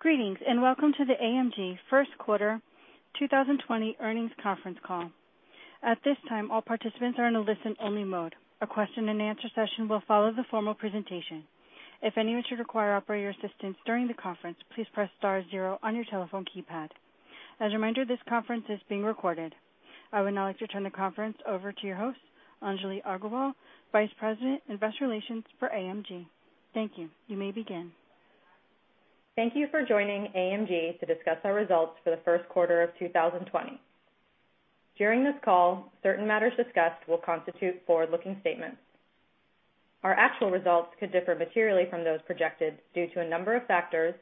Greetings, and welcome to the AMG first quarter 2020 earnings conference call. At this time, all participants are in a listen-only mode. A question and answer session will follow the formal presentation. If anyone should require operator assistance during the conference, please press star zero on your telephone keypad. As a reminder, this conference is being recorded. I would now like to turn the conference over to your host, Anjali Aggarwal, Vice President, Investor Relations for AMG. Thank you. You may begin. Thank you for joining AMG to discuss our results for the first quarter of 2020. During this call, certain matters discussed will constitute forward-looking statements. Our actual results could differ materially from those projected due to a number of factors,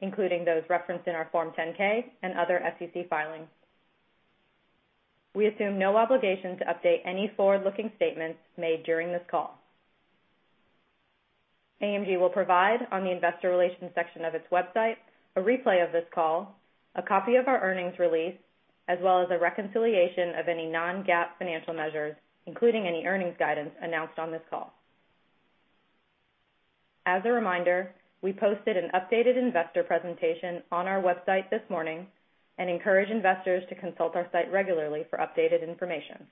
including those referenced in our Form 10-K and other SEC filings. We assume no obligation to update any forward-looking statements made during this call. AMG will provide, on the investor relations section of its website, a replay of this call, a copy of our earnings release, as well as a reconciliation of any non-GAAP financial measures, including any earnings guidance announced on this call. As a reminder, we posted an updated investor presentation on our website this morning and encourage investors to consult our site regularly for updated information.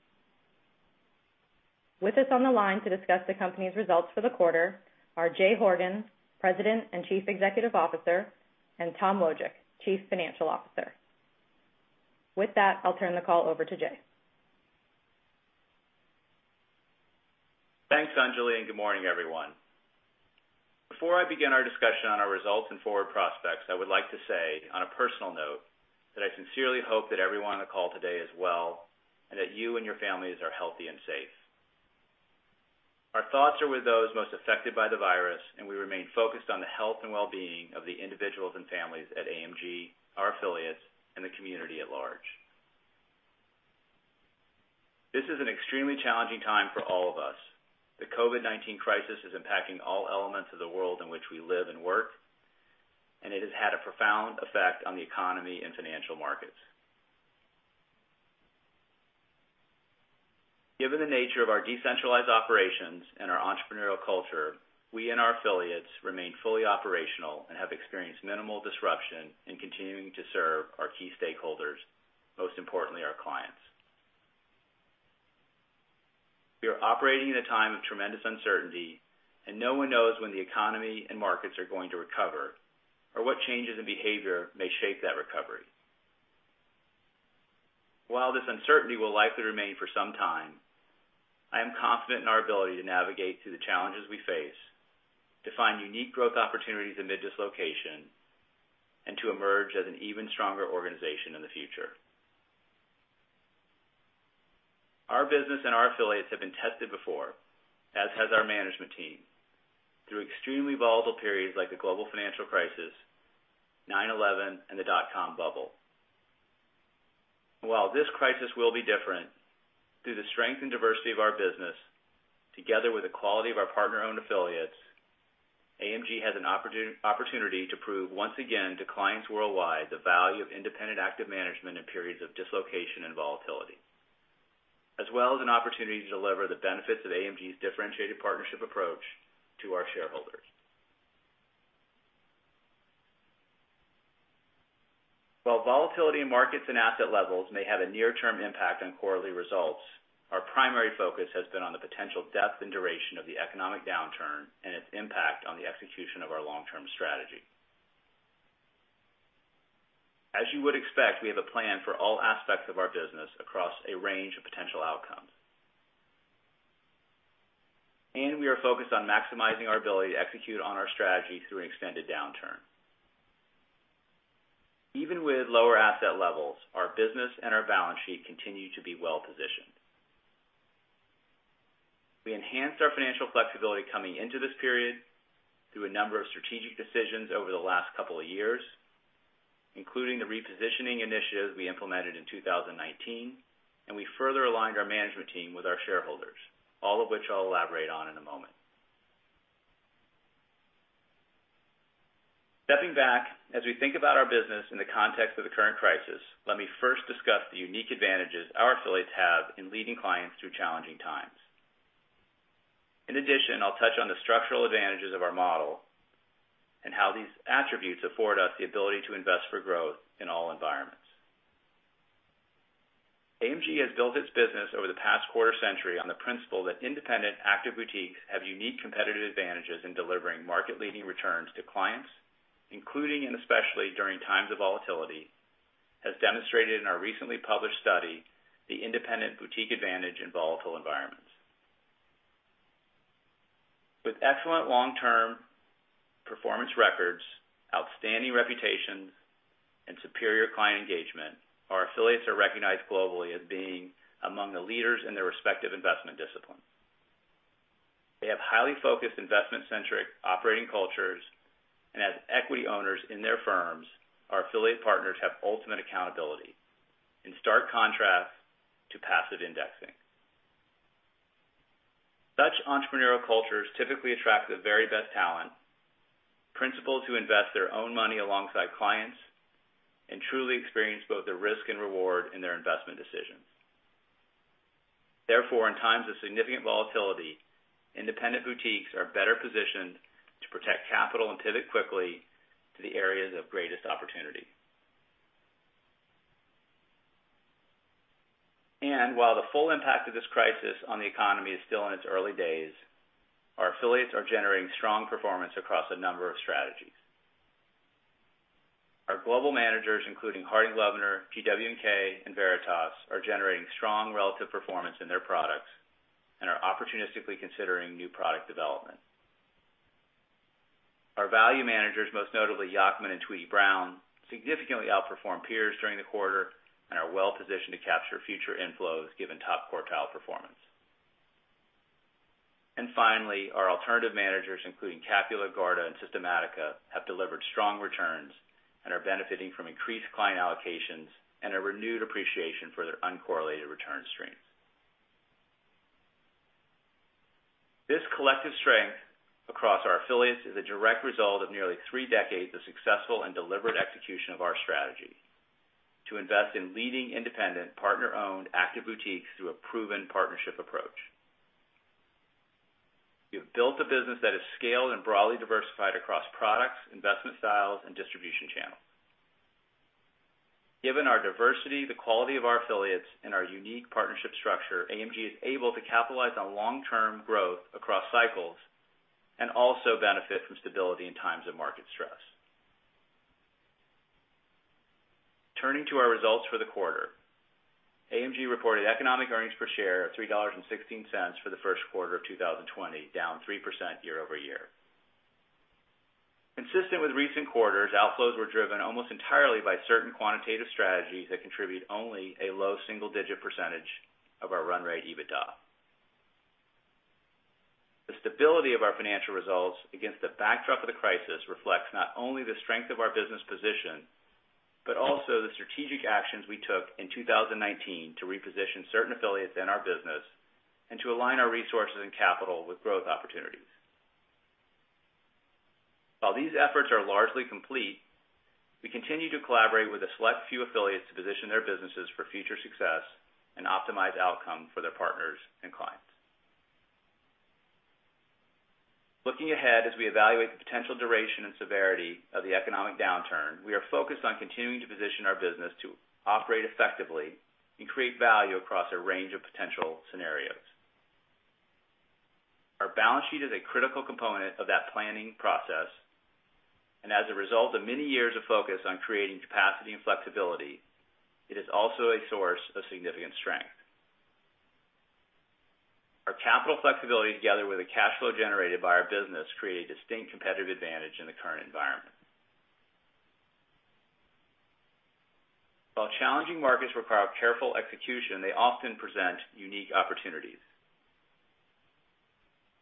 With us on the line to discuss the company's results for the quarter are Jay Horgan, President and Chief Executive Officer, and Tom Wojick, Chief Financial Officer. With that, I'll turn the call over to Jay. Thanks, Anjali, and good morning, everyone. Before I begin our discussion on our results and forward prospects, I would like to say, on a personal note, that I sincerely hope that everyone on the call today is well, and that you and your families are healthy and safe. Our thoughts are with those most affected by the virus. We remain focused on the health and wellbeing of the individuals and families at AMG, our affiliates, and the community at large. This is an extremely challenging time for all of us. The COVID-19 crisis is impacting all elements of the world in which we live and work. It has had a profound effect on the economy and financial markets. Given the nature of our decentralized operations and our entrepreneurial culture, we and our affiliates remain fully operational and have experienced minimal disruption in continuing to serve our key stakeholders, most importantly, our clients. We are operating in a time of tremendous uncertainty, and no one knows when the economy and markets are going to recover or what changes in behavior may shape that recovery. While this uncertainty will likely remain for some time, I am confident in our ability to navigate through the challenges we face, to find unique growth opportunities amid dislocation, and to emerge as an even stronger organization in the future. Our business and our affiliates have been tested before, as has our management team, through extremely volatile periods like the global financial crisis, 9/11, and the dot com bubble. While this crisis will be different, through the strength and diversity of our business, together with the quality of our partner-owned affiliates, AMG has an opportunity to prove once again to clients worldwide the value of independent active management in periods of dislocation and volatility, as well as an opportunity to deliver the benefits of AMG's differentiated partnership approach to our shareholders. While volatility in markets and asset levels may have a near-term impact on quarterly results, our primary focus has been on the potential depth and duration of the economic downturn and its impact on the execution of our long-term strategy. As you would expect, we have a plan for all aspects of our business across a range of potential outcomes. We are focused on maximizing our ability to execute on our strategy through an extended downturn. Even with lower asset levels, our business and our balance sheet continue to be well-positioned. We enhanced our financial flexibility coming into this period through a number of strategic decisions over the last couple of years, including the repositioning initiatives we implemented in 2019, and we further aligned our management team with our shareholders, all of which I'll elaborate on in a moment. Stepping back, as we think about our business in the context of the current crisis, let me first discuss the unique advantages our affiliates have in leading clients through challenging times. In addition, I'll touch on the structural advantages of our model and how these attributes afford us the ability to invest for growth in all environments. AMG has built its business over the past quarter-century on the principle that independent active boutiques have unique competitive advantages in delivering market-leading returns to clients, including and especially during times of volatility, as demonstrated in our recently published study, "The Independent Boutique Advantage in Volatile Environments". With excellent long-term performance records, outstanding reputations, and superior client engagement, our affiliates are recognized globally as being among the leaders in their respective investment disciplines. They have highly focused investment-centric operating cultures, and as equity owners in their firms, our affiliate partners have ultimate accountability, in stark contrast to passive indexing. Such entrepreneurial cultures typically attract the very best talent, principals who invest their own money alongside clients and truly experience both the risk and reward in their investment decisions. Therefore, in times of significant volatility, independent boutiques are better positioned to protect capital and pivot quickly to the areas of greatest opportunity. While the full impact of this crisis on the economy is still in its early days, our affiliates are generating strong performance across a number of strategies. Our global managers, including Harding Loevner, GW&K, and Veritas, are generating strong relative performance in their products and are opportunistically considering new product development. Our value managers, most notably Yacktman and Tweedy, Browne, significantly outperformed peers during the quarter and are well positioned to capture future inflows given top quartile performance. Finally, our alternative managers, including Capula, Garda, and Systematica, have delivered strong returns and are benefiting from increased client allocations and a renewed appreciation for their uncorrelated return strengths. This collective strength across our affiliates is a direct result of nearly three decades of successful and deliberate execution of our strategy to invest in leading independent, partner-owned active boutiques through a proven partnership approach. We have built a business that is scaled and broadly diversified across products, investment styles, and distribution channels. Given our diversity, the quality of our affiliates, and our unique partnership structure, AMG is able to capitalize on long-term growth across cycles and also benefit from stability in times of market stress. Turning to our results for the quarter. AMG reported economic earnings per share of $3.16 for the first quarter of 2020, down 3% year-over-year. Consistent with recent quarters, outflows were driven almost entirely by certain quantitative strategies that contribute only a low single-digit percentage of our run rate EBITDA. The stability of our financial results against the backdrop of the crisis reflects not only the strength of our business position, but also the strategic actions we took in 2019 to reposition certain affiliates in our business and to align our resources and capital with growth opportunities. While these efforts are largely complete, we continue to collaborate with a select few affiliates to position their businesses for future success and optimize outcome for their partners and clients. Looking ahead, as we evaluate the potential duration and severity of the economic downturn, we are focused on continuing to position our business to operate effectively and create value across a range of potential scenarios. Our balance sheet is a critical component of that planning process. As a result of many years of focus on creating capacity and flexibility, it is also a source of significant strength. Our capital flexibility, together with the cash flow generated by our business, create a distinct competitive advantage in the current environment. While challenging markets require careful execution, they often present unique opportunities.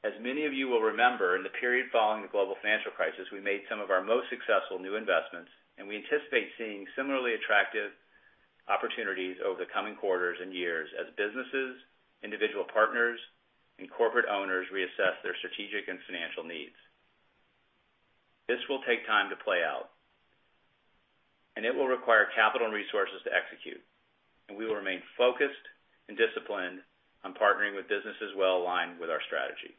As many of you will remember, in the period following the global financial crisis, we made some of our most successful new investments. We anticipate seeing similarly attractive opportunities over the coming quarters and years as businesses, individual partners, and corporate owners reassess their strategic and financial needs. This will take time to play out. It will require capital and resources to execute. We will remain focused and disciplined on partnering with businesses well-aligned with our strategy.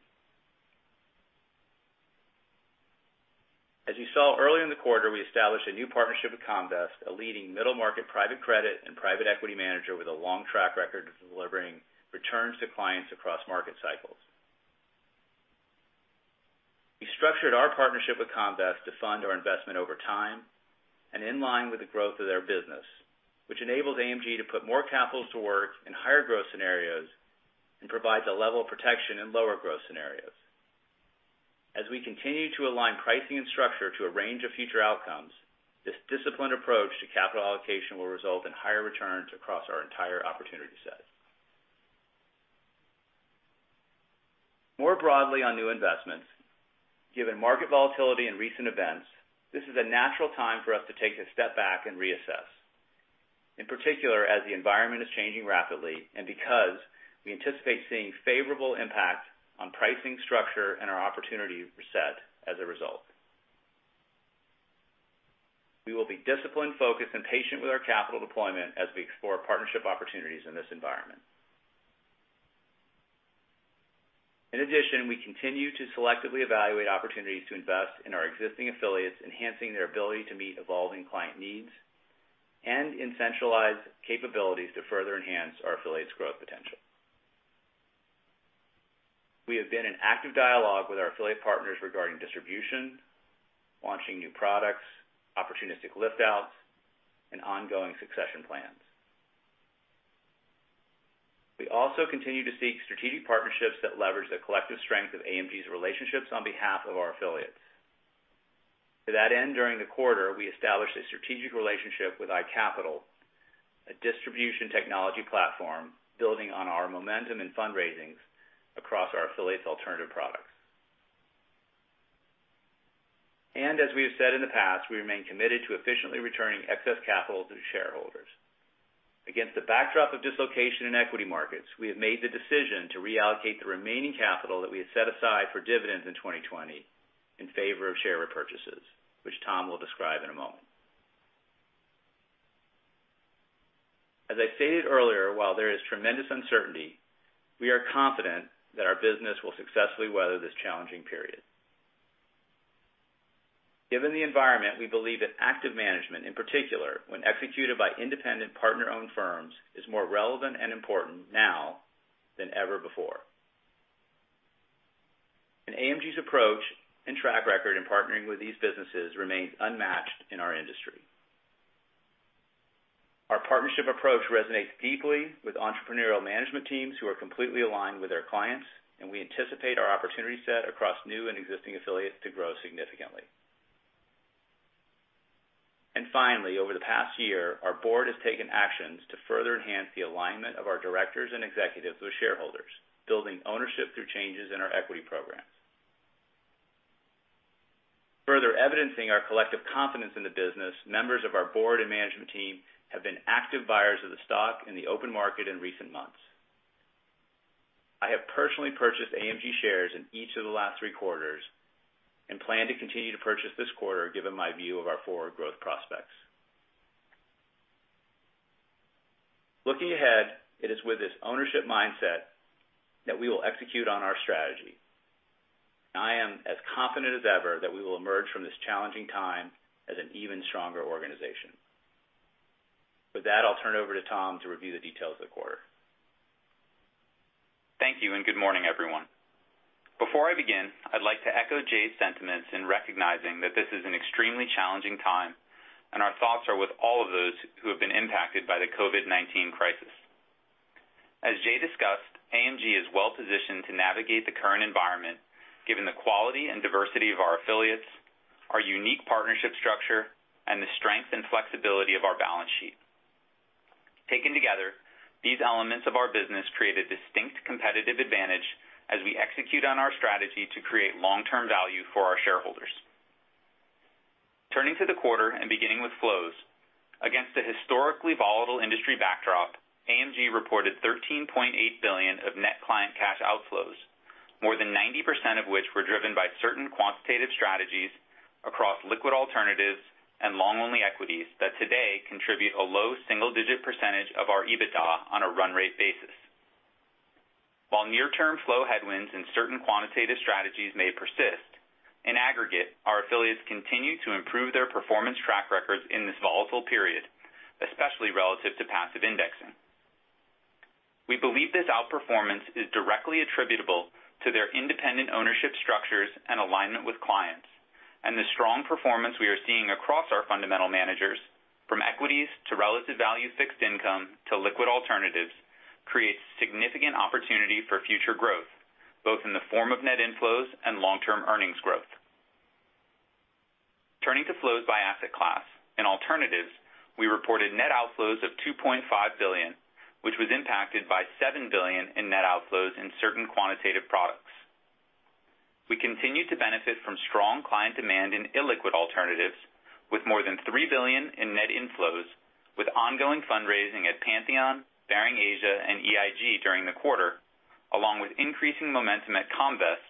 As you saw earlier in the quarter, we established a new partnership with Comvest, a leading middle-market private credit and private equity manager with a long track record of delivering returns to clients across market cycles. We structured our partnership with Comvest to fund our investment over time and in line with the growth of their business, which enables AMG to put more capital to work in higher growth scenarios and provides a level of protection in lower growth scenarios. As we continue to align pricing and structure to a range of future outcomes, this disciplined approach to capital allocation will result in higher returns across our entire opportunity set. More broadly on new investments, given market volatility and recent events, this is a natural time for us to take a step back and reassess, in particular as the environment is changing rapidly and because we anticipate seeing favorable impact on pricing structure and our opportunity reset as a result. We will be disciplined, focused, and patient with our capital deployment as we explore partnership opportunities in this environment. In addition, we continue to selectively evaluate opportunities to invest in our existing affiliates, enhancing their ability to meet evolving client needs and in centralized capabilities to further enhance our affiliates' growth potential. We have been in active dialogue with our affiliate partners regarding distribution, launching new products, opportunistic lift outs, and ongoing succession plans. We also continue to seek strategic partnerships that leverage the collective strength of AMG's relationships on behalf of our affiliates. To that end, during the quarter, we established a strategic relationship with iCapital, a distribution technology platform building on our momentum in fundraisings across our affiliates' alternative products. As we have said in the past, we remain committed to efficiently returning excess capital to shareholders. Against the backdrop of dislocation in equity markets, we have made the decision to reallocate the remaining capital that we had set aside for dividends in 2020 in favor of share repurchases, which Tom will describe in a moment. As I stated earlier, while there is tremendous uncertainty, we are confident that our business will successfully weather this challenging period. Given the environment, we believe that active management, in particular, when executed by independent partner-owned firms, is more relevant and important now than ever before. AMG's approach and track record in partnering with these businesses remains unmatched in our industry. Our partnership approach resonates deeply with entrepreneurial management teams who are completely aligned with our clients, and we anticipate our opportunity set across new and existing affiliates to grow significantly. Finally, over the past year, our board has taken actions to further enhance the alignment of our directors and executives with shareholders, building ownership through changes in our equity programs. Further evidencing our collective confidence in the business, members of our board and management team have been active buyers of the stock in the open market in recent months. I have personally purchased AMG shares in each of the last three quarters and plan to continue to purchase this quarter given my view of our forward growth prospects. Looking ahead, it is with this ownership mindset that we will execute on our strategy. I am as confident as ever that we will emerge from this challenging time as an even stronger organization. I'll turn over to Tom to review the details of the quarter. Thank you, good morning, everyone. Before I begin, I'd like to echo Jay's sentiments in recognizing that this is an extremely challenging time, and our thoughts are with all of those who have been impacted by the COVID-19 crisis. As Jay discussed, AMG is well-positioned to navigate the current environment given the quality and diversity of our affiliates, our unique partnership structure, and the strength and flexibility of our balance sheet. Taken together, these elements of our business create a distinct competitive advantage as we execute on our strategy to create long-term value for our shareholders. Turning to the quarter and beginning with flows. Against a historically volatile industry backdrop, AMG reported $13.8 billion of net client cash outflows, more than 90% of which were driven by certain quantitative strategies across liquid alternatives and long-only equities that today contribute a low single-digit percentage of our EBITDA on a run-rate basis. While near-term flow headwinds in certain quantitative strategies may persist, in aggregate, our affiliates continue to improve their performance track records in this volatile period, especially relative to passive indexing. The strong performance we are seeing across our fundamental managers, from equities to relative value fixed income to liquid alternatives, creates significant opportunity for future growth, both in the form of net inflows and long-term earnings growth. Turning to flows by asset class. In alternatives, we reported net outflows of $2.5 billion, which was impacted by $7 billion in net outflows in certain quantitative products. We continue to benefit from strong client demand in illiquid alternatives, with more than $3 billion in net inflows, with ongoing fundraising at Pantheon, Baring Asia and EIG during the quarter, along with increasing momentum at Comvest,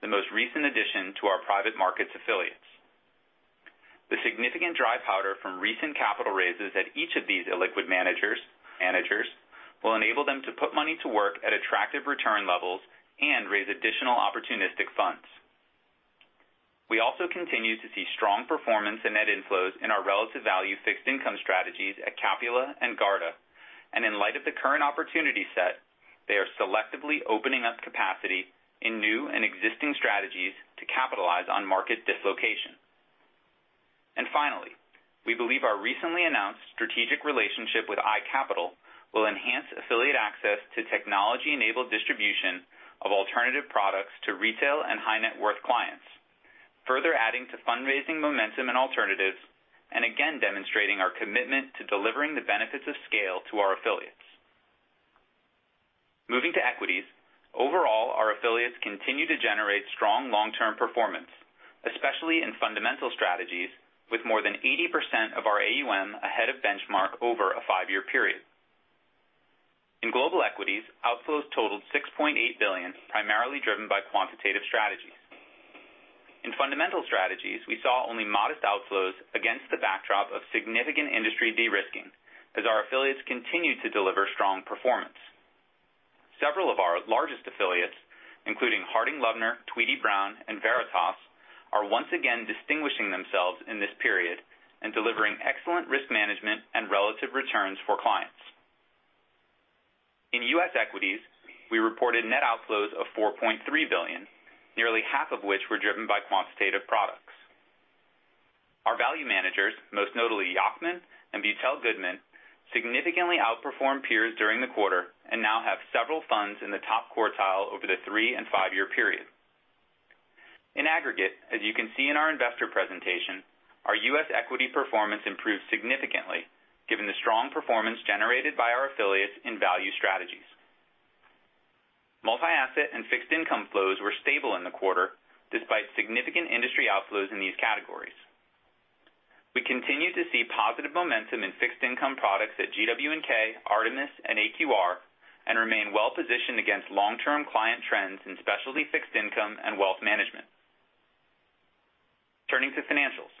the most recent addition to our private markets affiliates. The significant dry powder from recent capital raises at each of these illiquid managers will enable them to put money to work at attractive return levels and raise additional opportunistic funds. We also continue to see strong performance and net inflows in our relative value fixed income strategies at Capula and Garda. In light of the current opportunity set, they are selectively opening up capacity in new and existing strategies to capitalize on market dislocation. Finally, we believe our recently announced strategic relationship with iCapital will enhance affiliate access to technology-enabled distribution of alternative products to retail and high-net-worth clients, further adding to fundraising momentum and alternatives, and again demonstrating our commitment to delivering the benefits of scale to our affiliates. Moving to equities. Overall, our affiliates continue to generate strong long-term performance, especially in fundamental strategies with more than 80% of our AUM ahead of benchmark over a five-year period. In global equities, outflows totaled $6.8 billion, primarily driven by quantitative strategies. In fundamental strategies, we saw only modest outflows against the backdrop of significant industry de-risking as our affiliates continued to deliver strong performance. Several of our largest affiliates, including Harding Loevner, Tweedy, Browne, and Veritas, are once again distinguishing themselves in this period and delivering excellent risk management and relative returns for clients. In U.S. equities, we reported net outflows of $4.3 billion, nearly half of which were driven by quantitative products. Our value managers, most notably Yacktman and Beutel Goodman, significantly outperformed peers during the quarter and now have several funds in the top quartile over the three and five-year period. In aggregate, as you can see in our investor presentation, our U.S. equity performance improved significantly given the strong performance generated by our affiliates in value strategies. Multi-asset and fixed income flows were stable in the quarter despite significant industry outflows in these categories. We continue to see positive momentum in fixed income products at GW&K, Artemis, and AQR, and remain well-positioned against long-term client trends in specialty fixed income and wealth management. Turning to financials.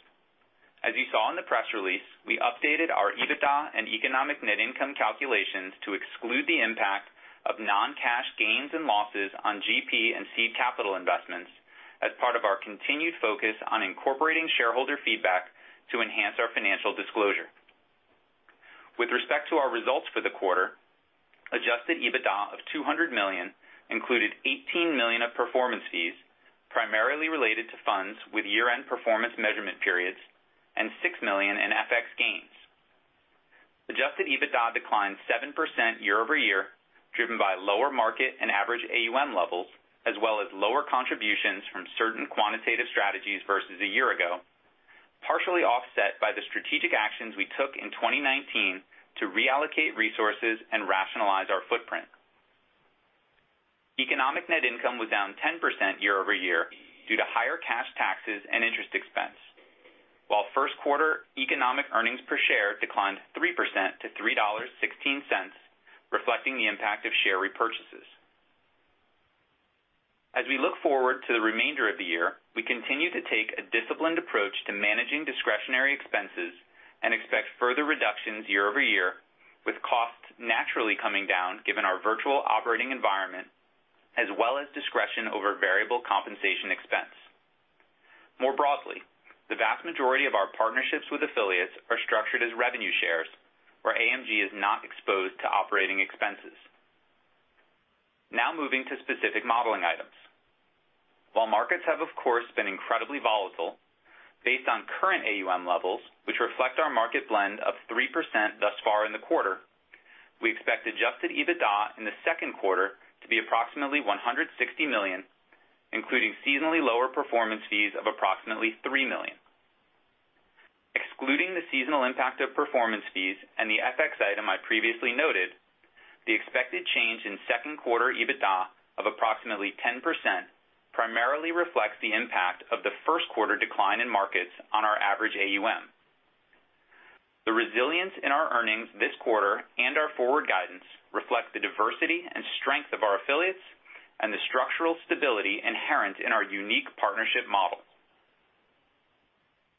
As you saw in the press release, we updated our EBITDA and economic net income calculations to exclude the impact of non-cash gains and losses on GP and seed capital investments as part of our continued focus on incorporating shareholder feedback to enhance our financial disclosure. With respect to our results for the quarter, Adjusted EBITDA of $200 million included $18 million of performance fees, primarily related to funds with year-end performance measurement periods and $6 million in FX gains. Adjusted EBITDA declined 7% year-over-year, driven by lower market and average AUM levels, as well as lower contributions from certain quantitative strategies versus a year ago, partially offset by the strategic actions we took in 2019 to reallocate resources and rationalize our footprint. Economic net income was down 10% year-over-year due to higher cash taxes and interest expense. While first quarter economic earnings per share declined 3% to $3.16, reflecting the impact of share repurchases. As we look forward to the remainder of the year, we continue to take a disciplined approach to managing discretionary expenses and expect further reductions year-over-year, with costs naturally coming down, given our virtual operating environment, as well as discretion over variable compensation expense. More broadly, the vast majority of our partnerships with affiliates are structured as revenue shares, where AMG is not exposed to operating expenses. Moving to specific modeling items. While markets have, of course, been incredibly volatile, based on current AUM levels, which reflect our market blend of 3% thus far in the quarter, we expect adjusted EBITDA in the second quarter to be approximately $160 million, including seasonally lower performance fees of approximately $3 million. Excluding the seasonal impact of performance fees and the FX item I previously noted, the expected change in second quarter EBITDA of approximately 10% primarily reflects the impact of the first quarter decline in markets on our average AUM. The resilience in our earnings this quarter and our forward guidance reflect the diversity and strength of our affiliates and the structural stability inherent in our unique partnership model.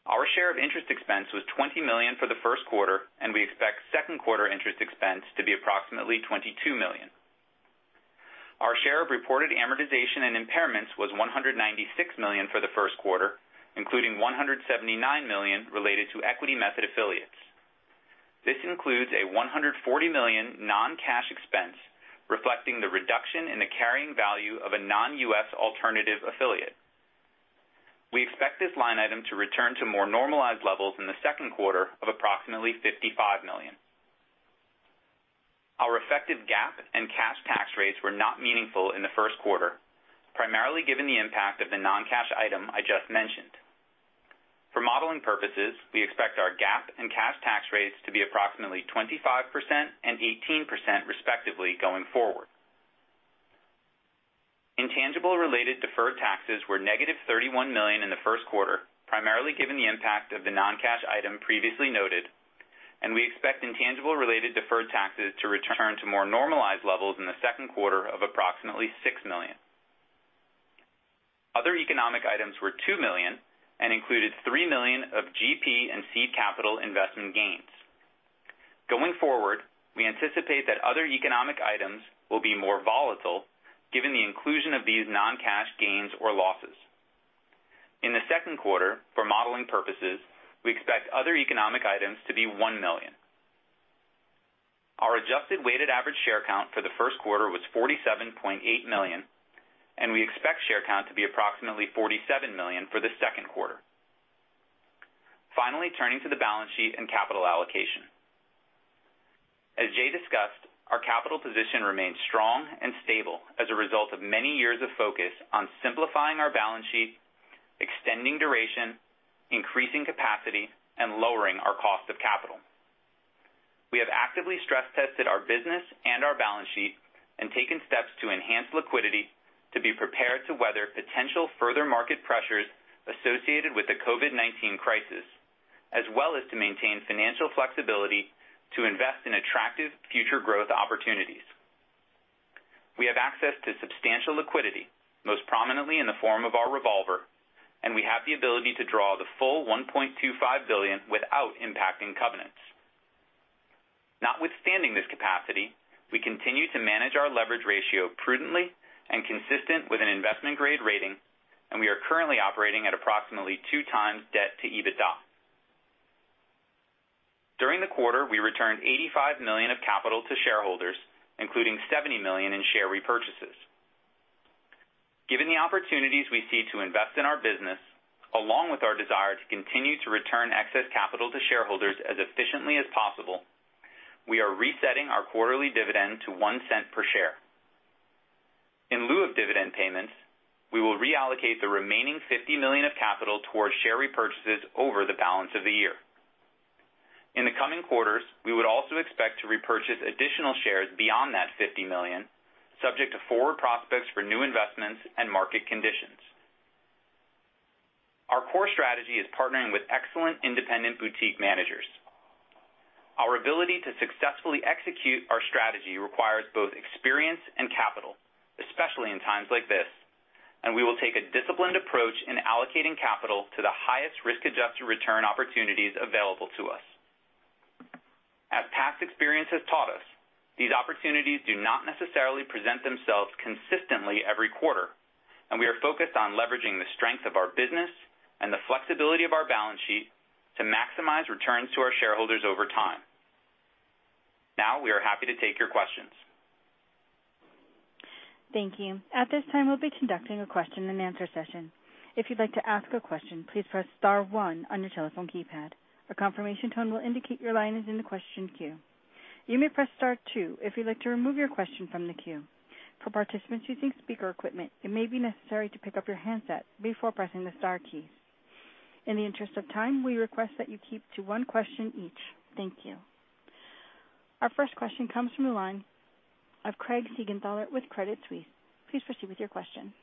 Our share of interest expense was $20 million for the first quarter, and we expect second quarter interest expense to be approximately $22 million. Our share of reported amortization and impairments was $196 million for the first quarter, including $179 million related to equity method affiliates. This includes a $140 million non-cash expense reflecting the reduction in the carrying value of a non-U.S. alternative affiliate. We expect this line item to return to more normalized levels in the second quarter of approximately $55 million. Our effective GAAP and cash tax rates were not meaningful in the first quarter, primarily given the impact of the non-cash item I just mentioned. For modeling purposes, we expect our GAAP and cash tax rates to be approximately 25% and 18%, respectively, going forward. Intangible related deferred taxes were negative $31 million in the first quarter, primarily given the impact of the non-cash item previously noted, and we expect intangible related deferred taxes to return to more normalized levels in the second quarter of approximately $6 million. Other economic items were $2 million and included $3 million of GP and seed capital investment gains. Going forward, we anticipate that other economic items will be more volatile given the inclusion of these non-cash gains or losses. In the second quarter, for modeling purposes, we expect other economic items to be $1 million. Our adjusted weighted average share count for the first quarter was $47.8 million, and we expect share count to be approximately $47 million for the second quarter. Finally, turning to the balance sheet and capital allocation. As Jay discussed, our capital position remains strong and stable as a result of many years of focus on simplifying our balance sheet, extending duration, increasing capacity, and lowering our cost of capital. We have actively stress tested our business and our balance sheet and taken steps to enhance liquidity to be prepared to weather potential further market pressures associated with the COVID-19 crisis, as well as to maintain financial flexibility to invest in attractive future growth opportunities. We have access to substantial liquidity, most prominently in the form of our revolver, and we have the ability to draw the full $1.25 billion without impacting covenants. Notwithstanding this capacity, we continue to manage our leverage ratio prudently and consistent with an investment-grade rating, and we are currently operating at approximately two times debt to EBITDA. During the quarter, we returned $85 million of capital to shareholders, including $70 million in share repurchases. Given the opportunities we see to invest in our business, along with our desire to continue to return excess capital to shareholders as efficiently as possible, we are resetting our quarterly dividend to $0.01 per share. In lieu of dividend payments, we will reallocate the remaining $50 million of capital towards share repurchases over the balance of the year. In the coming quarters, we would also expect to repurchase additional shares beyond that 50 million, subject to forward prospects for new investments and market conditions. Our core strategy is partnering with excellent independent boutique managers. Our ability to successfully execute our strategy requires both experience and capital, especially in times like this, and we will take a disciplined approach in allocating capital to the highest risk-adjusted return opportunities available to us. As past experience has taught us, these opportunities do not necessarily present themselves consistently every quarter, and we are focused on leveraging the strength of our business and the flexibility of our balance sheet to maximize returns to our shareholders over time. Now, we are happy to take your questions. Thank you. At this time, we'll be conducting a question and answer session. If you'd like to ask a question, please press star one on your telephone keypad. A confirmation tone will indicate your line is in the question queue. You may press star two if you'd like to remove your question from the queue. For participants using speaker equipment, it may be necessary to pick up your handset before pressing the star keys. In the interest of time, we request that you keep to one question each. Thank you. Our first question comes from the line of Craig Siegenthaler with Credit Suisse. Please proceed with your question.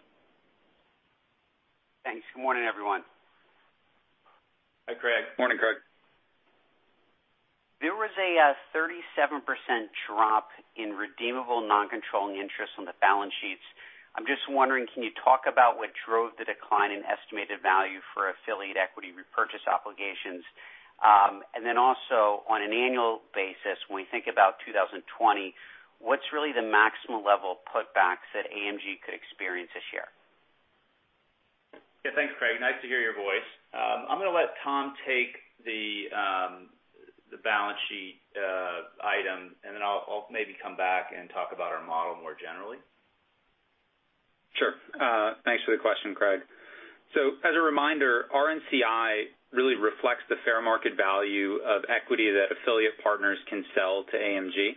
Thanks. Good morning, everyone. Hi, Craig. Morning, Craig. There was a 37% drop in redeemable non-controlling interest on the balance sheets. I'm just wondering, can you talk about what drove the decline in estimated value for affiliate equity repurchase obligations? Also on an annual basis, when we think about 2020, what's really the maximum level of put backs that AMG could experience this year? Yeah, thanks, Craig. Nice to hear your voice. I'm going to let Tom take the balance sheet item, and then I'll maybe come back and talk about our model more generally. Sure. Thanks for the question, Craig. As a reminder, RNCI really reflects the fair market value of equity that affiliate partners can sell to AMG.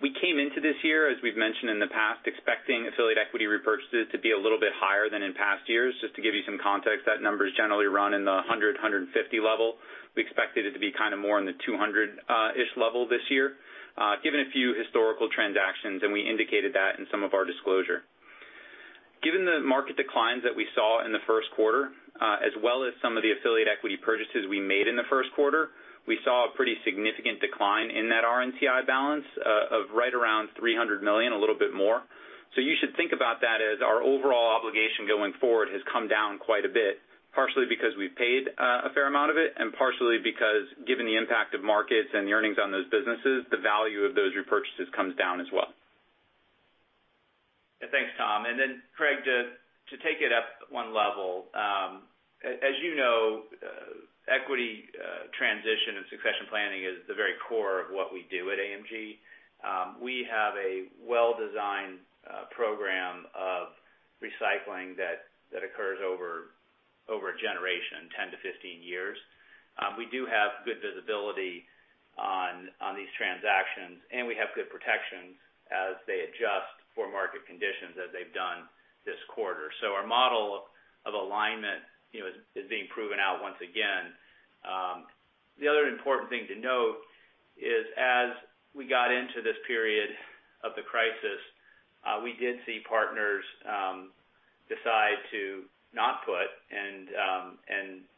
We came into this year, as we've mentioned in the past, expecting affiliate equity repurchases to be a little bit higher than in past years. Just to give you some context, that number is generally run in the $100 million, $150 million level. We expected it to be kind of more in the $200 million-ish level this year given a few historical transactions, and we indicated that in some of our disclosure. Given the market declines that we saw in the first quarter, as well as some of the affiliate equity purchases we made in the first quarter, we saw a pretty significant decline in that RNCI balance of right around $300 million, a little bit more. You should think about that as our overall obligation going forward has come down quite a bit, partially because we've paid a fair amount of it, and partially because given the impact of markets and the earnings on those businesses, the value of those repurchases comes down as well. Yeah. Thanks, Tom. Craig, to take it up one level. As you know, equity transition and succession planning is the very core of what we do at AMG. We have a well-designed program of recycling that occurs over a generation, 10-15 years. We do have good visibility on these transactions, and we have good protections as they adjust for market conditions as they've done this quarter. Our model of alignment is being proven out once again. The other important thing to note is as we got into this period of the crisis, we did see partners decide to not put, and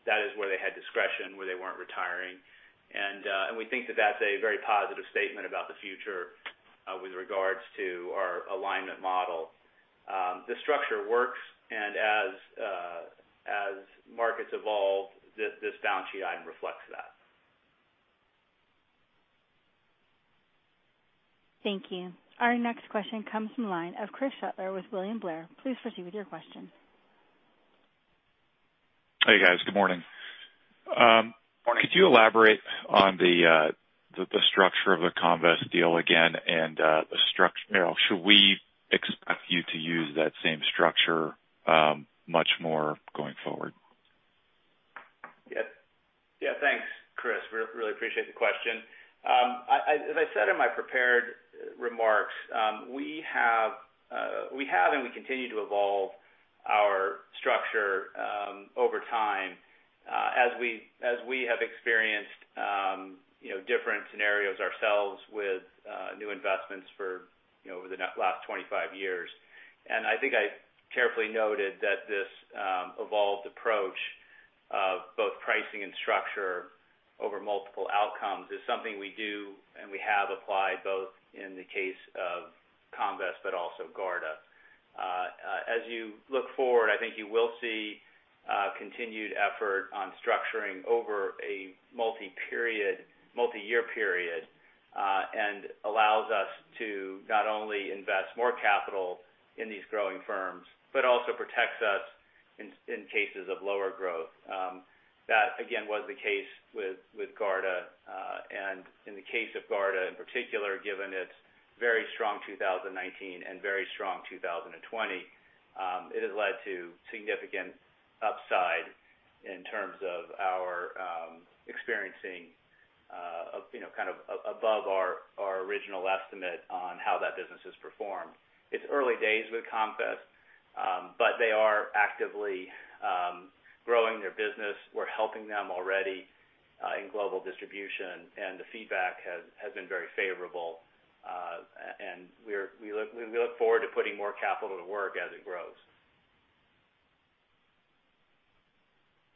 that is where they had discretion, where they weren't retiring. We think that that's a very positive statement about the future with regards to our alignment model. The structure works, and as markets evolve, this balance sheet item reflects that. Thank you. Our next question comes from the line of Chris Shutler with William Blair. Please proceed with your question. Hey, guys. Good morning. Morning. Could you elaborate on the structure of the Comvest deal again, and should we expect you to use that same structure much more going forward? Yeah. Thanks, Chris. Really appreciate the question. As I said in my prepared remarks, we have and we continue to evolve our structure over time as we have experienced different scenarios ourselves with new investments for over the last 25 years. I think I carefully noted that this evolved approach of both pricing and structure over multiple outcomes is something we do and we have applied both in the case of Comvest, but also Garda. As you look forward, I think you will see continued effort on structuring over a multi-year period, and allows us to not only invest more capital in these growing firms, but also protects us in cases of lower growth. That again, was the case with Garda. In the case of Garda in particular, given its very strong 2019 and very strong 2020, it has led to significant upside in terms of our experiencing kind of above our original estimate on how that business has performed. It's early days with Comvest, but they are actively growing their business. We're helping them already in global distribution, and the feedback has been very favorable. We look forward to putting more capital to work as it grows.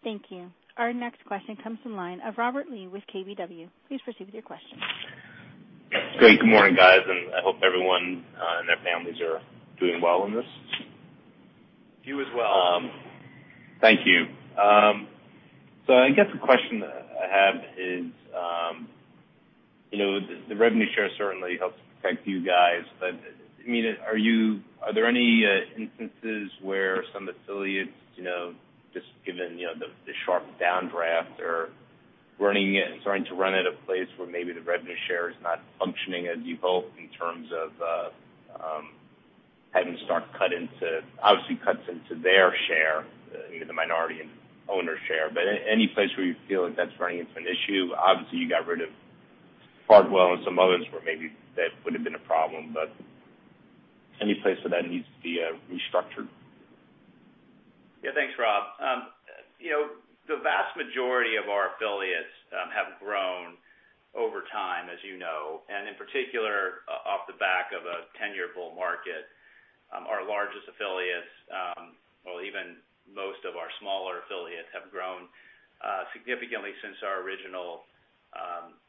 Thank you. Our next question comes from line of Robert Lee with KBW. Please proceed with your question. Great. Good morning, guys. I hope everyone and their families are doing well in this. You as well. Thank you. I guess the question I have is, the revenue share certainly helps protect you guys, are there any instances where some affiliates, just given the sharp downdraft, are starting to run at a place where maybe the revenue share is not functioning as you hoped in terms of Obviously cuts into their share, the minority and owner share? Any place where you feel like that's running into an issue? Obviously, you got rid of Hartwell and some others where maybe that would've been a problem, any place where that needs to be restructured? Yeah. Thanks, Rob. The vast majority of our affiliates have grown over time, as you know. In particular, off the back of a 10-year bull market, our largest affiliates, well, even most of our smaller affiliates, have grown significantly since our original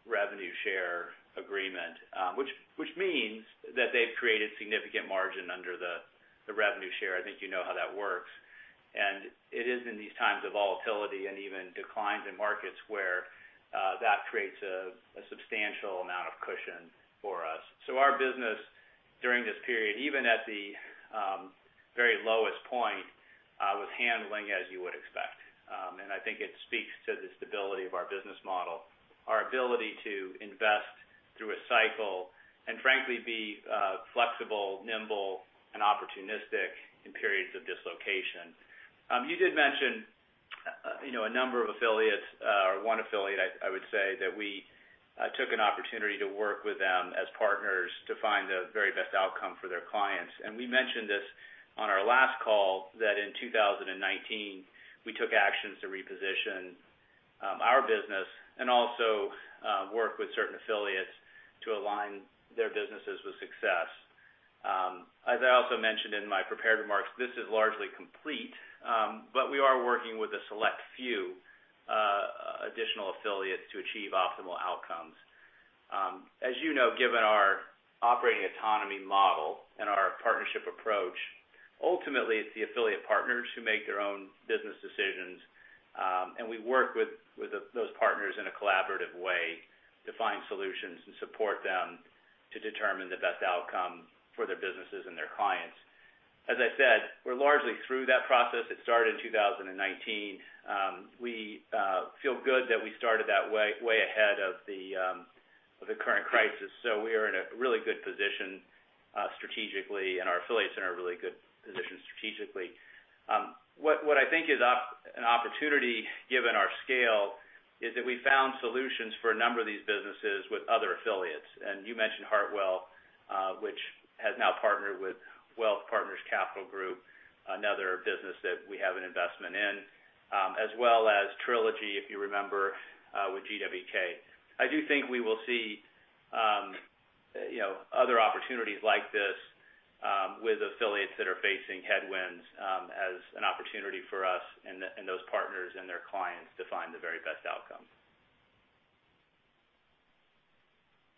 revenue share agreement. Which means that they've created significant margin under the revenue share. I think you know how that works. It is in these times of volatility and even declines in markets where that creates a substantial amount of cushion for us. Our business during this period, even at the very lowest point, was handling as you would expect. I think it speaks to the stability of our business model, our ability to invest through a cycle, and frankly, be flexible, nimble, and opportunistic in periods of dislocation. You did mention a number of affiliates, or one affiliate, I would say, that we took an opportunity to work with them as partners to find the very best outcome for their clients. We mentioned this on our last call, that in 2019 we took actions to reposition our business and also work with certain affiliates to align their businesses with success. As I also mentioned in my prepared remarks, this is largely complete, but we are working with a select few additional affiliates to achieve optimal outcomes. As you know, given our operating autonomy model and our partnership approach, ultimately it's the affiliate partners who make their own business decisions, and we work with those partners in a collaborative way to find solutions and support them to determine the best outcome for their businesses and their clients. As I said, we're largely through that process. It started in 2019. We feel good that we started that way ahead of the current crisis. We are in a really good position strategically, and our affiliates are in a really good position strategically. What I think is an opportunity, given our scale, is that we found solutions for a number of these businesses with other affiliates. You mentioned Hartwell, which has now partnered with Wealth Partners Capital Group, another business that we have an investment in, as well as Trilogy, if you remember, with GW&K. I do think we will see other opportunities like this with affiliates that are facing headwinds as an opportunity for us and those partners and their clients to find the very best outcome.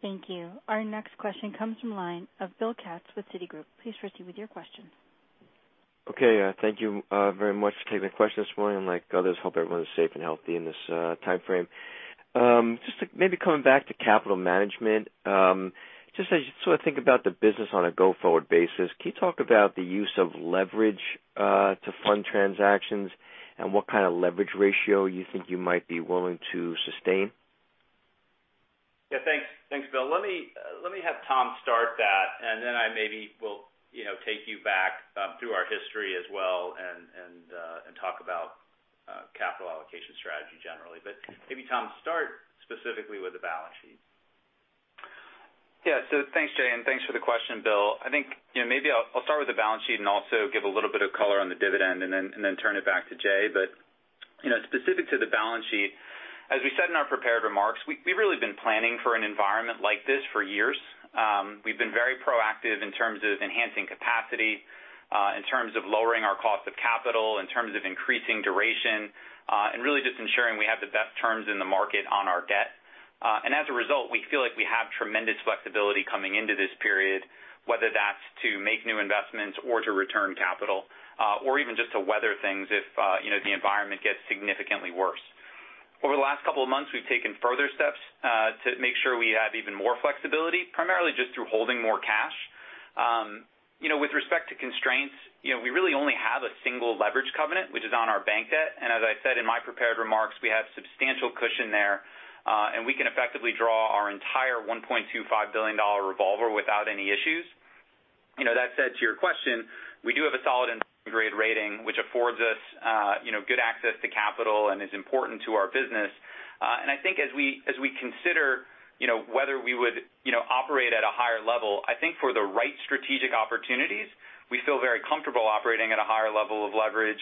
Thank you. Our next question comes from line of Bill Katz with Citigroup. Please proceed with your question. Okay. Thank you very much for taking the question this morning, and like others, hope everyone is safe and healthy in this timeframe. Just maybe coming back to capital management, just as you think about the business on a go-forward basis, can you talk about the use of leverage to fund transactions and what kind of leverage ratio you think you might be willing to sustain? Yeah, thanks, Bill. Let me have Tom start that, then I maybe will take you back through our history as well and talk about capital allocation strategy generally. Maybe Tom, start specifically with the balance sheet. Thanks, Jay, and thanks for the question, Bill. I think maybe I'll start with the balance sheet and also give a little bit of color on the dividend, and then turn it back to Jay. Specific to the balance sheet, as we said in our prepared remarks, we've really been planning for an environment like this for years. We've been very proactive in terms of enhancing capacity, in terms of lowering our cost of capital, in terms of increasing duration, and really just ensuring we have the best terms in the market on our debt. As a result, we feel like we have tremendous flexibility coming into this period, whether that's to make new investments or to return capital, or even just to weather things if the environment gets significantly worse. Over the last couple of months, we've taken further steps to make sure we have even more flexibility, primarily just through holding more cash. With respect to constraints, we really only have a single leverage covenant, which is on our bank debt, and as I said in my prepared remarks, we have substantial cushion there, and we can effectively draw our entire $1.25 billion revolver without any issues. That said, to your question, we do have a solid investment-grade rating, which affords us good access to capital and is important to our business. I think as we consider whether we would operate at a higher level, I think for the right strategic opportunities, we feel very comfortable operating at a higher level of leverage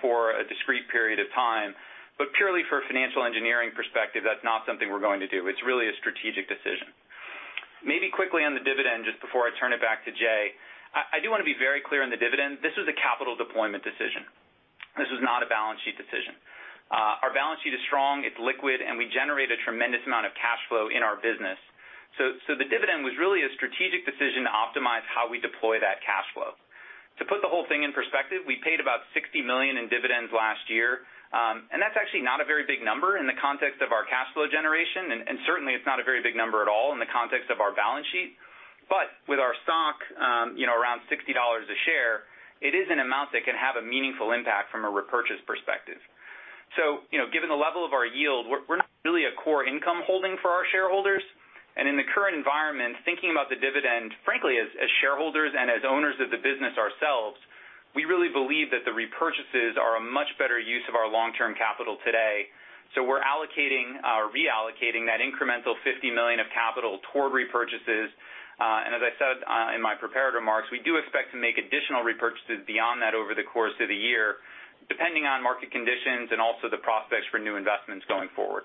for a discrete period of time. Purely for a financial engineering perspective, that's not something we're going to do. It's really a strategic decision. Quickly on the dividend, just before I turn it back to Jay. I do want to be very clear on the dividend. This was a capital deployment decision. This was not a balance sheet decision. Our balance sheet is strong, it's liquid, and we generate a tremendous amount of cash flow in our business. The dividend was really a strategic decision to optimize how we deploy that cash flow. To put the whole thing in perspective, we paid about $60 million in dividends last year, that's actually not a very big number in the context of our cash flow generation, certainly it's not a very big number at all in the context of our balance sheet. With our stock around $60 a share, it is an amount that can have a meaningful impact from a repurchase perspective. Given the level of our yield, we're not really a core income holding for our shareholders. In the current environment, thinking about the dividend, frankly, as shareholders and as owners of the business ourselves, we really believe that the repurchases are a much better use of our long-term capital today. We're allocating or reallocating that incremental $50 million of capital toward repurchases. As I said in my prepared remarks, we do expect to make additional repurchases beyond that over the course of the year, depending on market conditions and also the prospects for new investments going forward.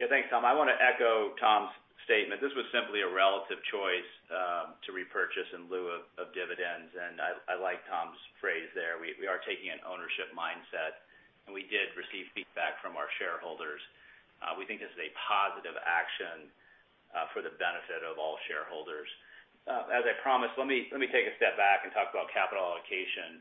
Yeah, thanks, Tom. I want to echo Tom's statement. This was simply a relative choice to repurchase in lieu of dividends, and I like Tom's phrase there. We are taking an ownership mindset, and we did receive feedback from our shareholders. We think this is a positive action for the benefit of all shareholders. As I promised, let me take a step back and talk about capital allocation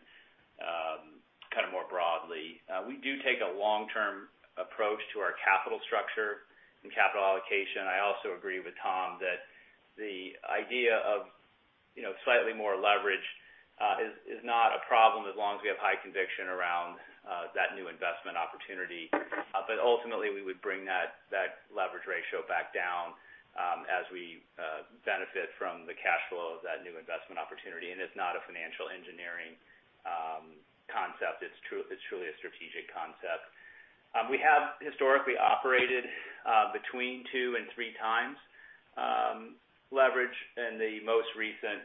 kind of more broadly. We do take a long-term approach to our capital structure and capital allocation. I also agree with Tom that the idea of slightly more leverage is not a problem as long as we have high conviction around that new investment opportunity. Ultimately, we would bring that leverage ratio back down as we benefit from the cash flow of that new investment opportunity. It's not a financial engineering concept. It's truly a strategic concept. We have historically operated between two and three times leverage in the most recent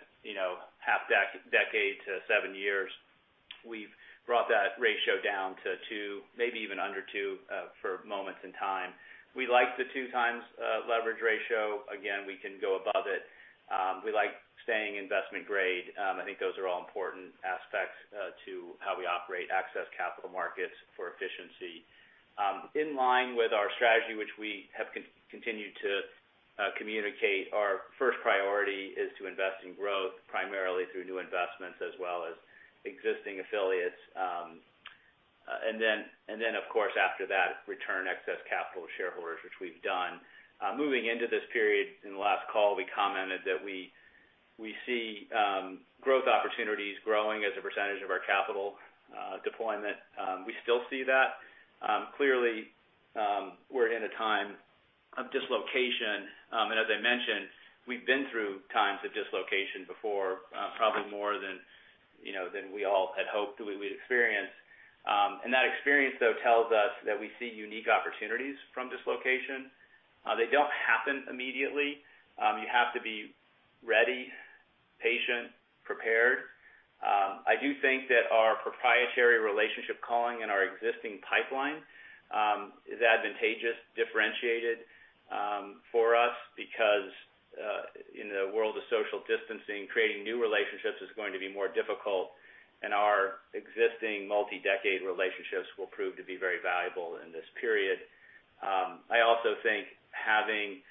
half decade to seven years. We've brought that ratio down to two, maybe even under two, for moments in time. We like the two times leverage ratio. Again, we can go above it. We like staying investment-grade. I think those are all important aspects to how we operate access capital markets for efficiency. In line with our strategy, which we have continued to communicate, our first priority is to invest in growth, primarily through new investments as well as existing affiliates. Then, of course, after that, return excess capital to shareholders, which we've done. Moving into this period in the last call, we commented that we see growth opportunities growing as a percentage of our capital deployment. We still see that. Clearly, we're in a time of dislocation, as I mentioned, we've been through times of dislocation before, probably more than we all had hoped we would experience. That experience, though, tells us that we see unique opportunities from dislocation. They don't happen immediately. You have to be ready, patient, prepared. I do think that our proprietary relationship calling and our existing pipeline is advantageous, differentiated for us because, in the world of social distancing, creating new relationships is going to be more difficult, and our existing multi-decade relationships will prove to be very valuable in this period. I also think having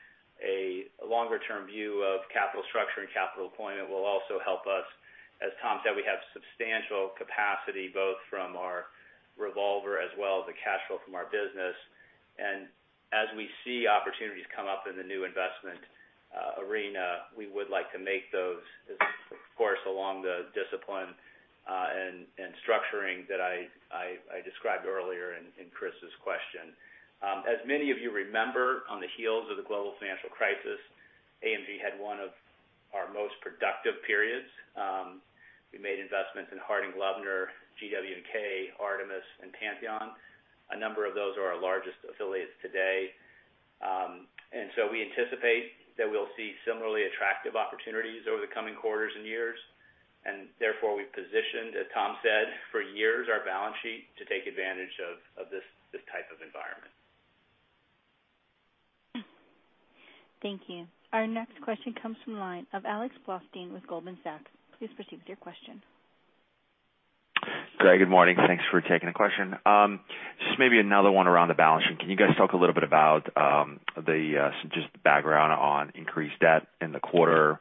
a longer-term view of capital structure and capital deployment will also help us. As Tom said, we have substantial capacity both from our revolver as well as the cash flow from our business. As we see opportunities come up in the new investment arena, we would like to make those, of course, along the discipline and structuring that I described earlier in Chris's question. As many of you remember, on the heels of the global financial crisis, AMG had one of our most productive periods. We made investments in Harding Loevner, GW&K, Artemis, and Pantheon. A number of those are our largest affiliates today. We anticipate that we'll see similarly attractive opportunities over the coming quarters and years, and therefore we've positioned, as Tom said, for years our balance sheet to take advantage of this type of environment. Thank you. Our next question comes from the line of Alex Blostein with Goldman Sachs. Please proceed with your question. Greg, good morning. Thanks for taking the question. Just maybe another one around the balance sheet. Can you guys talk a little bit about just the background on increased debt in the quarter?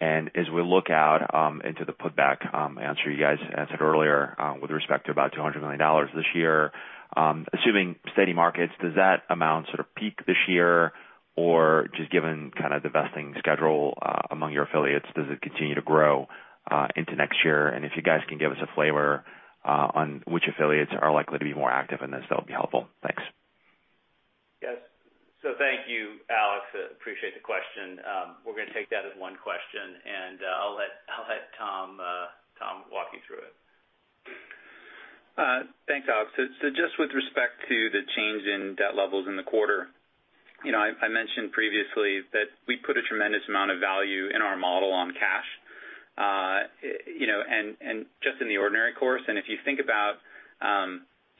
As we look out into the putback answer you guys answered earlier with respect to about $200 million this year, assuming steady markets, does that amount sort of peak this year, or just given kind of divesting schedule among your affiliates, does it continue to grow into next year? If you guys can give us a flavor on which affiliates are likely to be more active in this, that would be helpful. Thanks. Yes. Thank you, Alex. Appreciate the question. We're going to take that as one question, and I'll let Tom walk you through it. Thanks, Alex. Just with respect to the change in debt levels in the quarter I mentioned previously that we put a tremendous amount of value in our model on cash, and just in the ordinary course. If you think about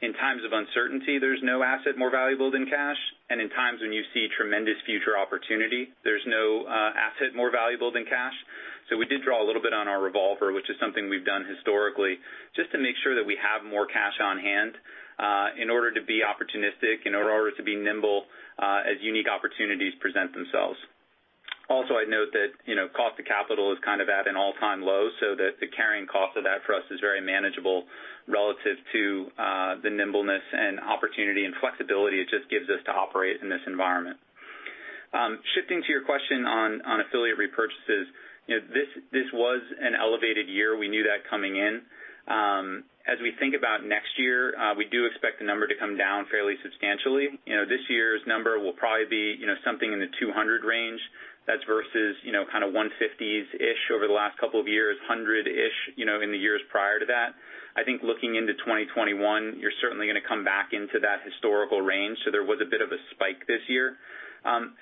in times of uncertainty, there's no asset more valuable than cash. In times when you see tremendous future opportunity, there's no asset more valuable than cash. We did draw a little bit on our revolver, which is something we've done historically, just to make sure that we have more cash on hand in order to be opportunistic, in order to be nimble as unique opportunities present themselves. Also, I'd note that cost of capital is kind of at an all-time low, so the carrying cost of that for us is very manageable relative to the nimbleness and opportunity and flexibility it just gives us to operate in this environment. Shifting to your question on affiliate repurchases. This was an elevated year. We knew that coming in. As we think about next year, we do expect the number to come down fairly substantially. This year's number will probably be something in the 200 range. That's versus kind of 150s-ish over the last couple of years, 100-ish in the years prior to that. I think looking into 2021, you're certainly going to come back into that historical range. There was a bit of a spike this year.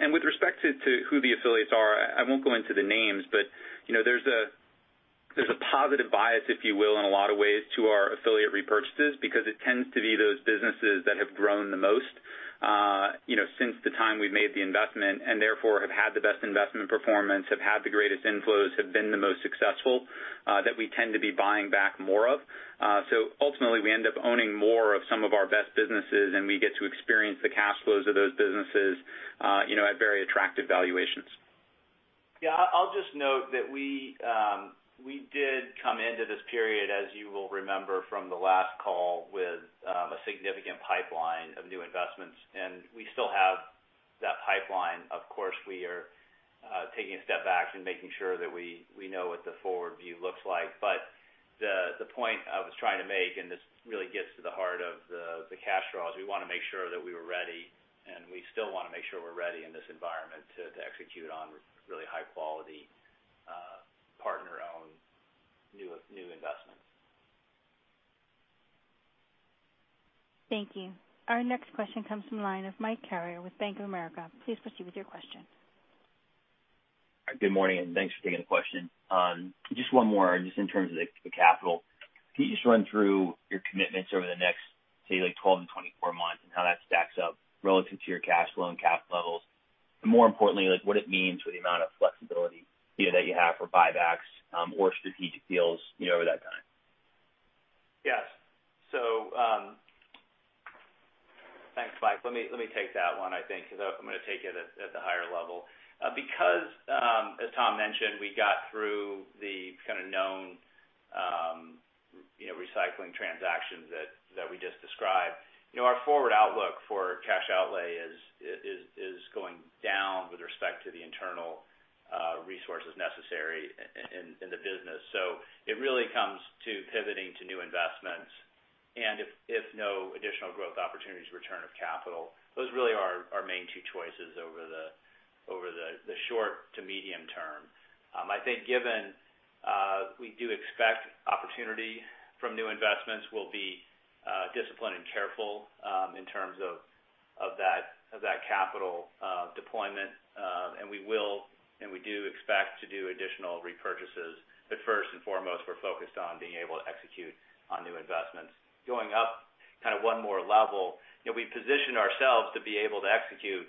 With respect to who the affiliates are, I won't go into the names, but there's a positive bias, if you will, in a lot of ways to our affiliate repurchases because it tends to be those businesses that have grown the most since the time we've made the investment and therefore have had the best investment performance, have had the greatest inflows, have been the most successful, that we tend to be buying back more of. Ultimately we end up owning more of some of our best businesses, and we get to experience the cash flows of those businesses at very attractive valuations. Yeah. I'll just note that we did come into this period, as you will remember from the last call, with a significant pipeline of new investments, and we still have that pipeline. Of course, we are taking a step back and making sure that we know what the forward view looks like. The point I was trying to make, and this really gets to the heart of the cash draws, we want to make sure that we were ready, and we still want to make sure we're ready in this environment to execute on really high-quality partner-owned new investments. Thank you. Our next question comes from the line of Michael Carrier with Bank of America. Please proceed with your question. Good morning, thanks for taking the question. Just one more, just in terms of the capital. Can you just run through your commitments over the next, say, like 12 and 24 months and how that stacks up relative to your cash flow and cap levels? More importantly, what it means for the amount of flexibility that you have for buybacks or strategic deals over that time. Yes. Thanks, Mike. Let me take that one, I think, because I'm going to take it at the higher level. As Tom mentioned, we got through the kind of known recycling transactions that we just described. Our forward outlook for cash outlay is going down with respect to the internal resources necessary in the business. It really comes to pivoting to new investments, and if no additional growth opportunities, return of capital. Those really are our main two choices over the short to medium term. I think given we do expect opportunity from new investments, we'll be disciplined and careful in terms of that capital deployment. We will, and we do expect to do additional repurchases. First and foremost, we're focused on being able to execute on new investments. Going up kind of one more level, we position ourselves to be able to execute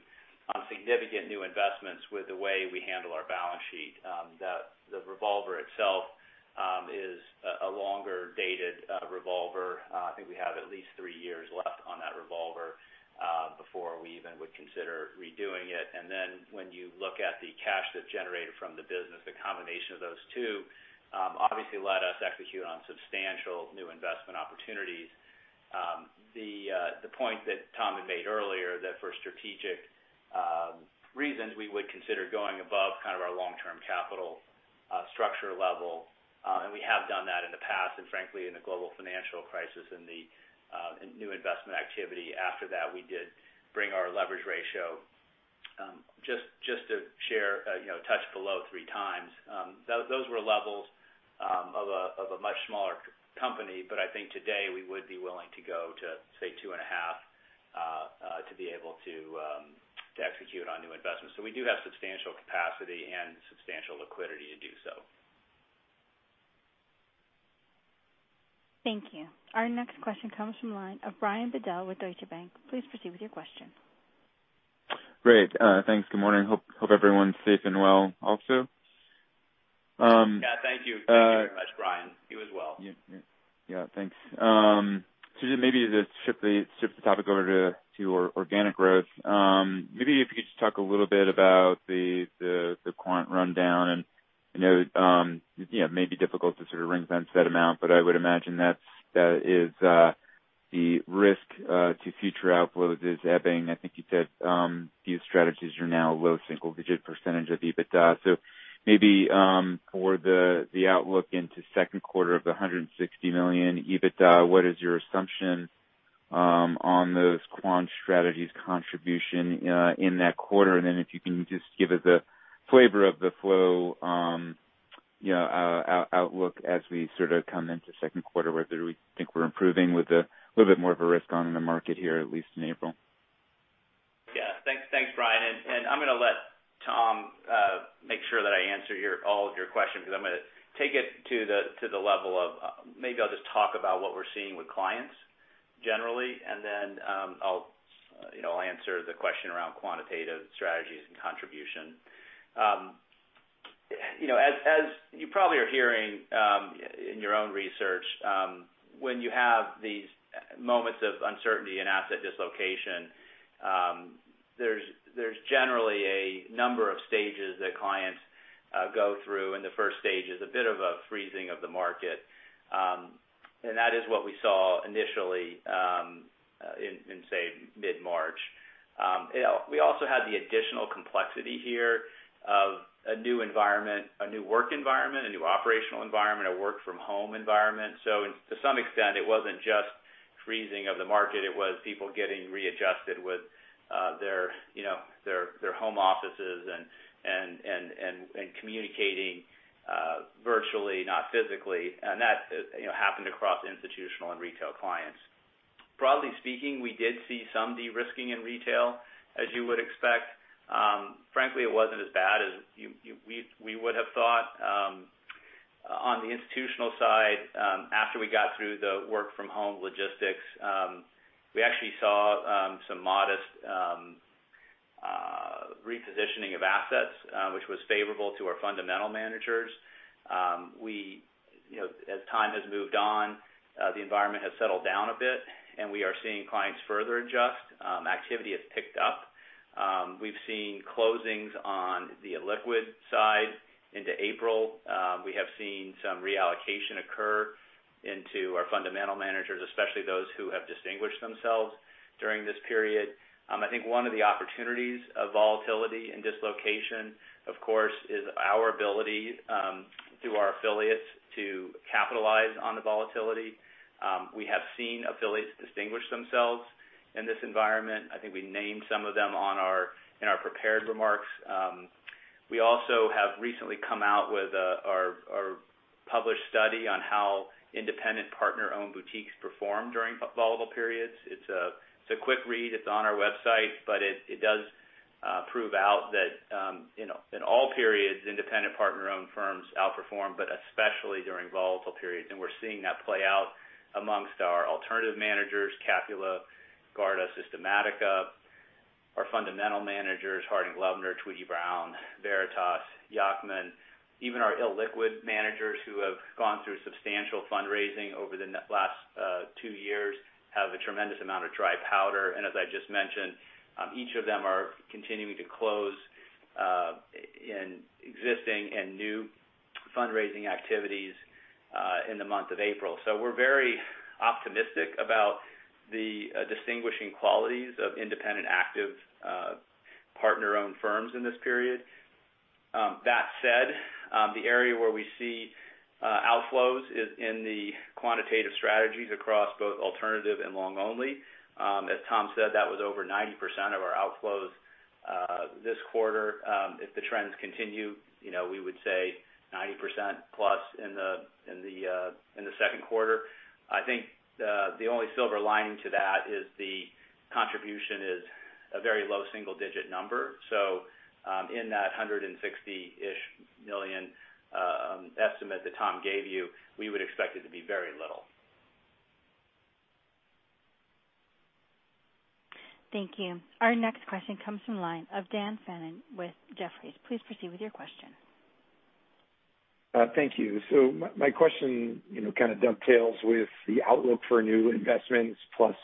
on significant new investments with the way we handle our balance sheet. The revolver itself is a longer-dated revolver. I think we have at least three years left on that revolver before we even would consider redoing it. Then when you look at the cash that's generated from the business, the combination of those two obviously let us execute on substantial new investment opportunities. The point that Tom had made earlier, that for strategic reasons we would consider going above kind of our long-term capital structure level. We have done that in the past. Frankly, in the Global Financial Crisis, in the new investment activity after that, we did bring our leverage ratio touch below three times. Those were levels of a much smaller company. I think today we would be willing to go to, say, 2.5 to be able to execute on new investments. We do have substantial capacity and substantial liquidity to do so. Thank you. Our next question comes from the line of Brian Bedell with Deutsche Bank. Please proceed with your question. Great. Thanks. Good morning. Hope everyone's safe and well also. Yeah. Thank you very much, Brian. You as well. Thanks. Maybe to shift the topic over to organic growth. Maybe if you could just talk a little bit about the quant rundown, and it may be difficult to sort of ring-fence that amount, but I would imagine that is the risk to future outflows is ebbing. I think you said these strategies are now a low single-digit percentage of EBITDA. Maybe for the outlook into second quarter of the $160 million EBITDA, what is your assumption on those quant strategies contribution in that quarter? Then if you can just give us a flavor of the flow outlook as we sort of come into second quarter. Whether we think we're improving with a little bit more of a risk-on in the market here, at least in April. Yeah. Thanks, Brian. I'm going to let Tom make sure that I answer all of your questions, because I'm going to take it to the level of maybe I'll just talk about what we're seeing with clients generally, then I'll answer the question around quantitative strategies and contribution. As you probably are hearing in your own research, when you have these moments of uncertainty and asset dislocation, there's generally a number of stages that clients go through, the stage one is a bit of a freezing of the market. That is what we saw initially in, say, mid-March. We also had the additional complexity here of a new environment, a new work environment, a new operational environment, a work from home environment. To some extent, it wasn't just freezing of the market, it was people getting readjusted with their home offices and communicating virtually, not physically. That happened across institutional and retail clients. Broadly speaking, we did see some de-risking in retail, as you would expect. Frankly, it wasn't as bad as we would have thought. On the institutional side, after we got through the work from home logistics, we actually saw some modest repositioning of assets, which was favorable to our fundamental managers. As time has moved on, the environment has settled down a bit, and we are seeing clients further adjust. Activity has picked up. We've seen closings on the illiquid side into April. We have seen some reallocation occur into our fundamental managers, especially those who have distinguished themselves during this period. I think one of the opportunities of volatility and dislocation, of course, is our ability, through our affiliates, to capitalize on the volatility. We have seen affiliates distinguish themselves in this environment. I think we named some of them in our prepared remarks. We also have recently come out with our published study on how independent partner-owned boutiques perform during volatile periods. It's a quick read. It's on our website. It does prove out that in all periods, independent partner-owned firms outperform, especially during volatile periods. We're seeing that play out amongst our alternative managers, Capula, Garda, Systematica, our fundamental managers, Harding Loevner, Tweedy, Browne, Veritas, Yacktman. Even our illiquid managers who have gone through substantial fundraising over the last two years have a tremendous amount of dry powder. As I just mentioned, each of them are continuing to close in existing and new fundraising activities in the month of April. We're very optimistic about the distinguishing qualities of independent, active partner-owned firms in this period. That said, the area where we see outflows is in the quantitative strategies across both alternative and long only. As Tom said, that was over 90% of our outflows this quarter. If the trends continue, we would say 90% plus in the second quarter. I think the only silver lining to that is the contribution is a very low single-digit number. In that $160-ish million estimate that Tom gave you, we would expect it to be very little. Thank you. Our next question comes from line of Daniel Fannon with Jefferies. Please proceed with your question. Thank you. My question kind of dovetails with the outlook for new investments plus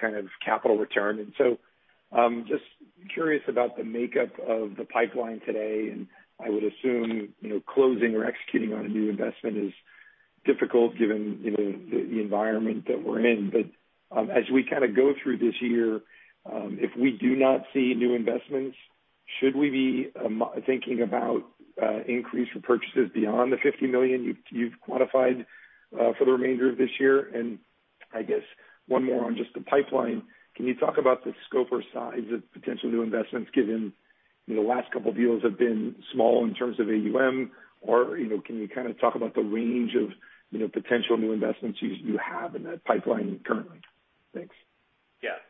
kind of capital return. Just curious about the makeup of the pipeline today. I would assume closing or executing on a new investment is difficult given the environment that we're in. As we kind of go through this year, if we do not see new investments, should we be thinking about increase repurchases beyond the $50 million you've quantified for the remainder of this year? I guess one more on just the pipeline. Can you talk about the scope or size of potential new investments given the last couple deals have been small in terms of AUM? Can you kind of talk about the range of potential new investments you have in that pipeline currently? Thanks.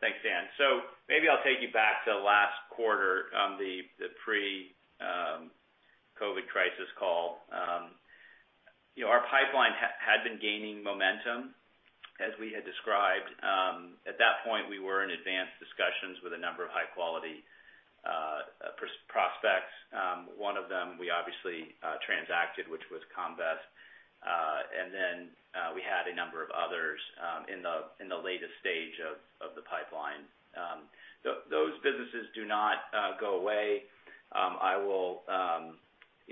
Thanks, Dan. Maybe I'll take you back to last quarter on the pre-COVID-19 crisis call. Our pipeline had been gaining momentum as we had described. At that point, we were in advanced discussions with a number of high-quality prospects. One of them we obviously transacted, which was Comvest. We had a number of others in the latest stage of the pipeline. Those businesses do not go away. I will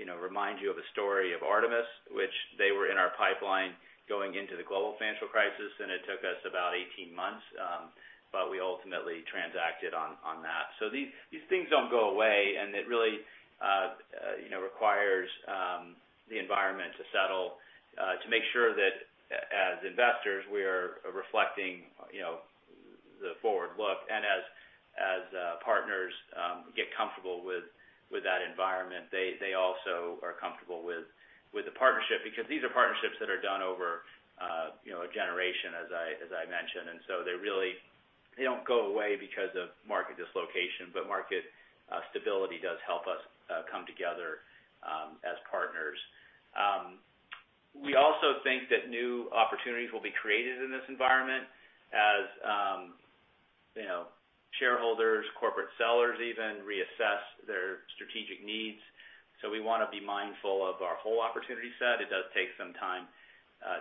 remind you of a story of Artemis, which they were in our pipeline going into the global financial crisis, it took us about 18 months, we ultimately transacted on that. These things don't go away, it really requires the environment to settle to make sure that as investors, we are reflecting the forward look. As partners get comfortable with that environment, they also are comfortable with the partnership because these are partnerships that are done over a generation, as I mentioned. They don't go away because of market dislocation. Market stability does help us come together as partners. We also think that new opportunities will be created in this environment as shareholders, corporate sellers even, reassess their strategic needs. We want to be mindful of our whole opportunity set. It does take some time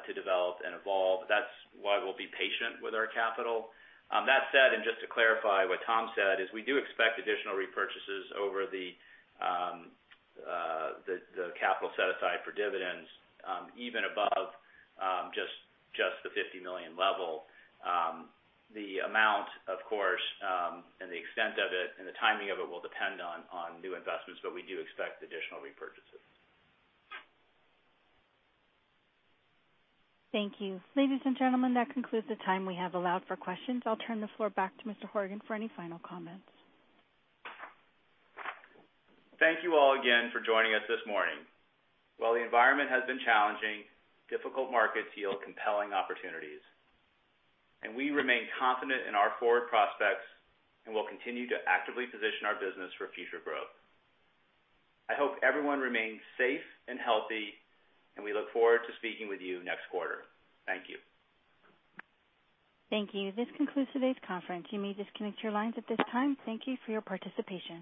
to develop and evolve. That's why we'll be patient with our capital. That said, and just to clarify what Tom said, is we do expect additional repurchases over the capital set aside for dividends, even above just the $50 million level. The amount, of course, and the extent of it and the timing of it will depend on new investments. We do expect additional repurchases. Thank you. Ladies and gentlemen, that concludes the time we have allowed for questions. I'll turn the floor back to Mr. Horgan for any final comments. Thank you all again for joining us this morning. While the environment has been challenging, difficult markets yield compelling opportunities. We remain confident in our forward prospects and will continue to actively position our business for future growth. I hope everyone remains safe and healthy, and we look forward to speaking with you next quarter. Thank you. Thank you. This concludes today's conference. You may disconnect your lines at this time. Thank you for your participation.